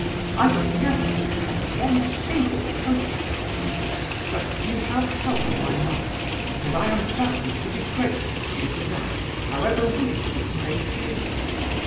I will never accept one single copeck from you, but you have helped my mother, and I am bound to be grateful to you for that, however weak it may seem.